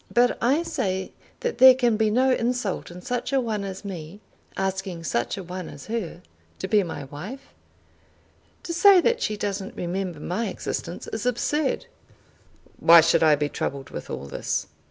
"But I say that there can be no insult in such a one as me asking such a one as her to be my wife. To say that she doesn't remember my existence is absurd." "Why should I be troubled with all this?"